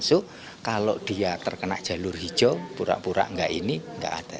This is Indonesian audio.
masuk kalau dia terkena jalur hijau pura pura enggak ini enggak ada